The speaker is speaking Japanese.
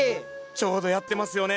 ちょうどやってますよね。